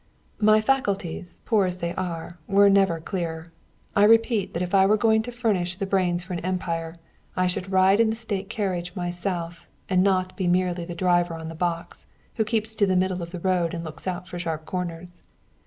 "My faculties, poor as they are, were never clearer. I repeat that if I were going to furnish the brains for an empire I should ride in the state carriage myself, and not be merely the driver on the box, who keeps the middle of the road and looks out for sharp corners.